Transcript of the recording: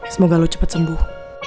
semoga lo cepet sembuh